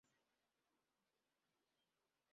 Esto causaba retrasos al moverse entre distintas zonas.